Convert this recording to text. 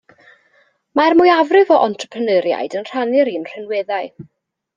Mae'r mwyafrif o entrepreneuriaid yn rhannu'r un rhinweddau.